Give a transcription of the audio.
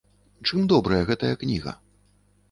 Чым добрая гэтая кніга?